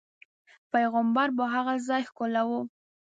پیغمبر به په هغه ځاې ښکلو.